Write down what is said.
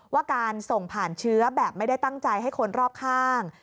ว่าการส่งผ่านเชื้อแบบไม่ได้ตั้งใจให้คนรอบข้าง